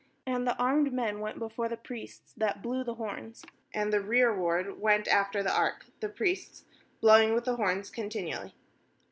9And the armed men went before the priests that blew the horns, and the rearward went after the ark, [the priests] blowing with the horns continually.